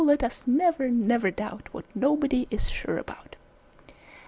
let us never, never doubt What nobody is sure about!